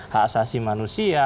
hak asasi manusia